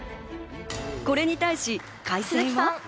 これに対し、開成は。